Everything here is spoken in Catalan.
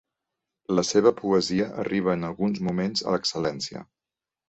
La seva poesia arriba en alguns moments a l'excel·lència.